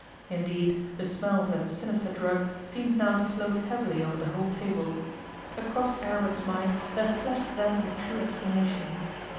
Indeed, the smell of that sinister drug seemed now to float heavily over the whole table. Across Aribert's mind there flashed then the true explanation.